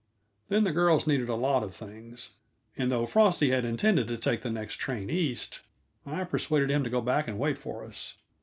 Then the girls needed a lot of things; and though Frosty had intended to take the next train East, I persuaded him to go back and wait for us.